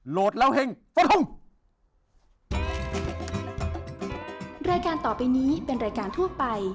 โหลดแล้วเฮ่งสวัสดีครับ